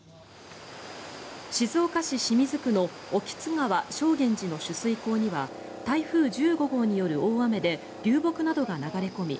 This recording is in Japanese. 静岡市清水区の興津川・承元寺の取水口には台風１５号による大雨で流木などが流れ込み